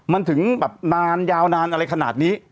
มันถึงแบบนานยาวนานอะไรขนาดนี้